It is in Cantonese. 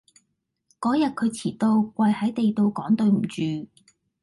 嗰日佢遲到，跪喺地度講對唔住